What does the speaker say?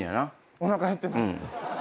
おなか減ってます。